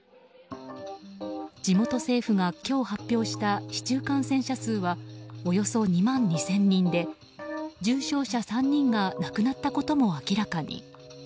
地元政府が今日発表した市中感染者数はおよそ２万２０００人で重症者３人が亡くなったことも明らかに。